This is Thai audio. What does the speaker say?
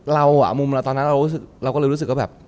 เราอ่ะมุมเราตอนนั้นเราก็เลยรู้สึกว่าแบบ